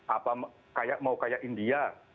apa kayak mau kayak india